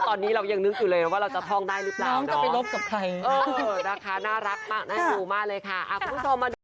คิวคามศักดิ์